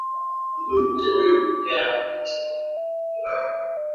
Elimu kwa umma hukabiliana na ugonjwa wa homa ya bonde la ufa